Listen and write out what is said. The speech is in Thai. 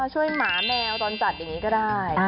หมาแมวจรจัดอย่างนี้ก็ได้